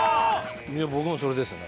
僕もそれですね。